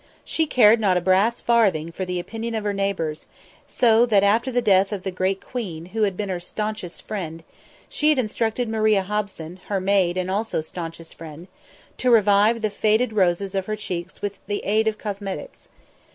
She cared not a brass farthing for the opinion of her neighbours, so that after the death of the great Queen, who had been her staunchest friend, she had instructed Maria Hobson, her maid and also staunchest friend, to revive the faded roses of her cheeks with the aid of cosmetics.